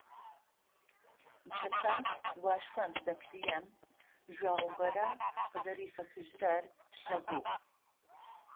Нычэпэ уашъом сыздэппъыем, жъуагъо горэ къызэрефэхыжьырэр слъэгъугъ.